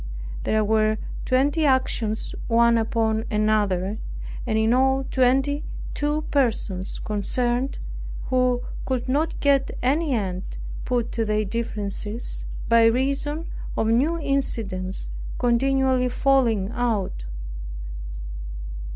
There were twenty actions one upon another, and in all twenty two persons concerned, who could not get any end put to their differences, by reason of new incidents continually falling out.